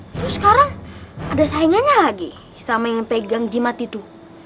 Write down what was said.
terus sekarang ada saingannya lagi sama yang pegang jimat itu